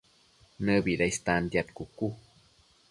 ¿Nëbida istantiad cucu?